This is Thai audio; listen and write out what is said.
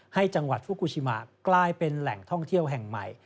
ให้จังหวัดฟุกูชิมากลายเป็นแหล่งท่องเที่ยวแห่งใหม่